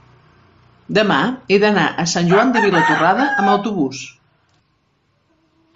demà he d'anar a Sant Joan de Vilatorrada amb autobús.